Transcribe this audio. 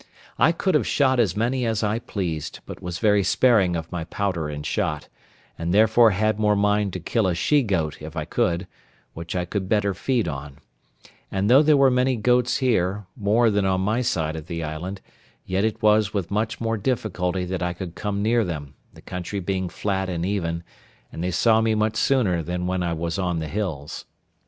I could have shot as many as I pleased, but was very sparing of my powder and shot, and therefore had more mind to kill a she goat if I could, which I could better feed on; and though there were many goats here, more than on my side the island, yet it was with much more difficulty that I could come near them, the country being flat and even, and they saw me much sooner than when I was on the hills.